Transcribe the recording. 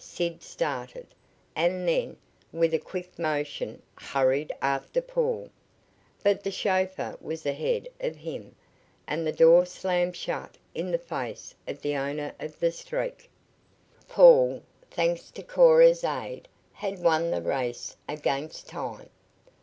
Sid started, and then, with a quick motion, hurried after Paul. But the chauffeur was ahead of him, and the door slammed shut in the face of the owner of the Streak. Paul, thanks to Cora's aid, had won the race against time.